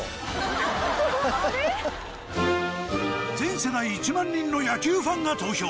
全世代１万人の野球ファンが投票！